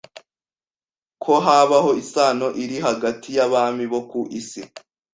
ko habaho isano iri hagati y’abami bo ku isi